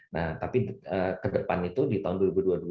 nah tapi ke depan itu di tahun dua ribu dua puluh dua